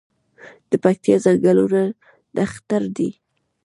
د پکتیا ځنګلونه نښتر دي